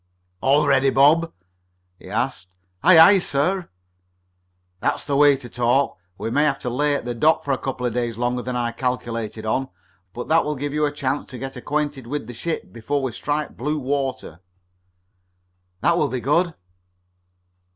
"All ready, Bob?" he asked. "Aye, aye, sir." "That's the way to talk. We may have to lay at the dock for a couple of days longer than I calculated on, but that will give you a chance to get acquainted with the ship before we strike blue water." "That will be good."